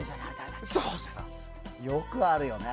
よくあるよね。